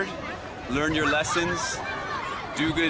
belajar belajar lakukan kerja yang baik